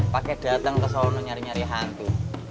pakai dateng keseluruhnya nyari nyari hantu